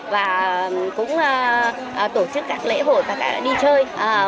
và cũng tổ chức các lễ hội và các bạn đi chơi